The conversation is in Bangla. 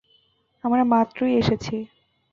আমরা মাত্রই এসেছি।